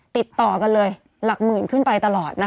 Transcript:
ติดต่อกันเลยหลักหมื่นขึ้นไปตลอดนะคะ